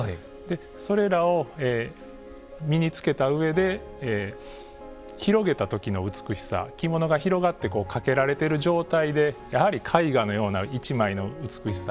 それらを身に着けた上で広げたときの美しさ着物が広がって掛けられている状態でやはり絵画のような１枚の美しさ